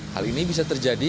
hal ini bisa terjadi